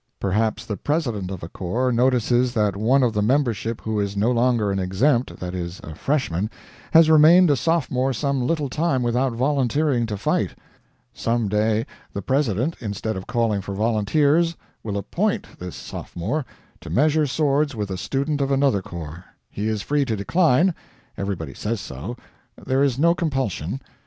Perhaps the president of a corps notices that one of the membership who is no longer an exempt that is a freshman has remained a sophomore some little time without volunteering to fight; some day, the president, instead of calling for volunteers, will APPOINT this sophomore to measure swords with a student of another corps; he is free to decline everybody says so there is no compulsion.